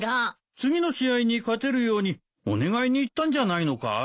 次の試合に勝てるようにお願いに行ったんじゃないのかい？